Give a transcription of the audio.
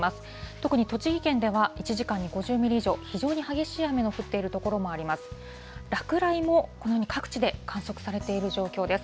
特に栃木県では、１時間に５０ミリ以上、非常に激しい雨の降っている所もあります。